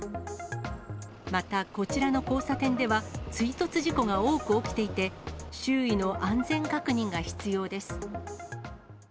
また、こちらの交差点では、追突事故が多く起きていて、周囲の安全確認が必要です。